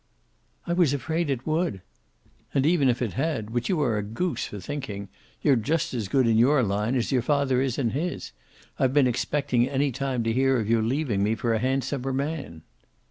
"I was afraid it would." "And, even if it had, which you are a goose for thinking, you're just as good in your line as your father is in his. I've been expecting any time to hear of your leaving me for a handsomer man!"